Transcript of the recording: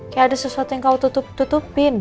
kayak ada sesuatu yang kau tutupin